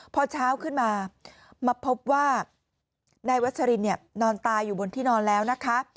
พอเช้าขึ้นมามาพบว่านายวัชรินนอนตายอยู่บนที่นอนแล้วนะคะ